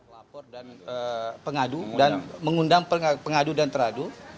lapor dan pengadu dan mengundang pengadu dan teradu